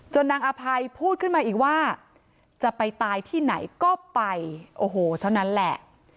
นางอภัยพูดขึ้นมาอีกว่าจะไปตายที่ไหนก็ไปโอ้โหเท่านั้นแหละ